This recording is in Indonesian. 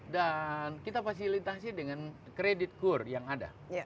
dan kita fasilitasi dengan kredit kur yang ada